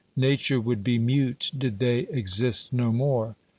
Nature would be mute did they exist no more.